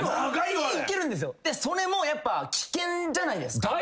それも危険じゃないですか。